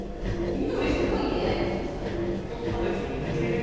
緑すごいね。